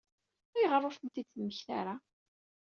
Ayɣer ur tent-id-temmekta ara?